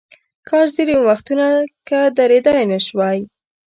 کاش ځینې وختونه که درېدای نشوای.